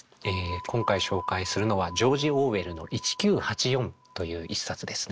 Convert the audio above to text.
今回紹介するのはジョージ・オーウェルの「１９８４」という一冊ですね。